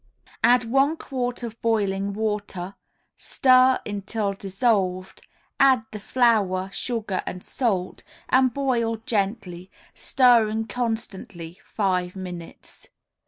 Add one quart of boiling water, stir until dissolved, add the flour, sugar and salt, and boil gently, stirring constantly, five minutes.